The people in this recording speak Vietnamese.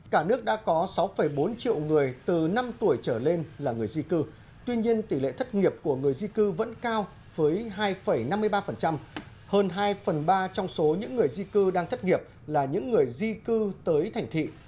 cả nước đã có sáu bốn triệu người từ năm tuổi trở lên là người di cư tuy nhiên tỷ lệ thất nghiệp của người di cư vẫn cao với hai năm mươi ba hơn hai phần ba trong số những người di cư đang thất nghiệp là những người di cư tới thành thị